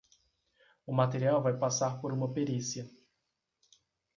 O material vai passar por uma perícia.